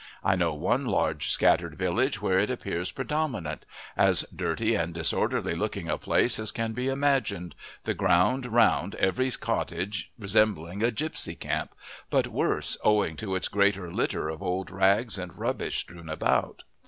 I know one large scattered village where it appears predominant as dirty and disorderly looking a place as can be imagined, the ground round every cottage resembling a gipsy camp, but worse owing to its greater litter of old rags and rubbish strewn about.